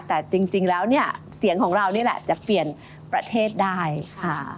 แต่จริงแล้วเนี่ยเสียงของเรานี่แหละจะเปลี่ยนประเทศได้ค่ะ